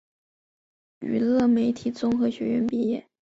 娱乐媒体综合学院毕业。